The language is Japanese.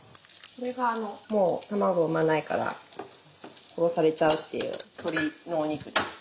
これがもう卵を産まないから殺されちゃうっていう鶏のお肉です。